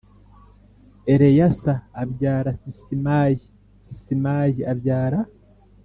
Eleyasa abyara Sisimayi Sisimayi abyara